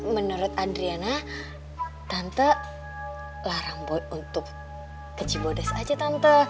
menurut adriana tante larang untuk ke cimodes aja tante